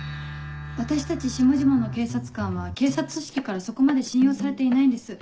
私たち下々の警察官は警察組織からそこまで信用されていないんです。